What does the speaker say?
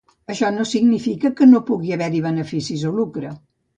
Això no significa que no pugui haver-hi beneficis o lucre.